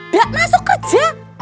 gak masuk kerja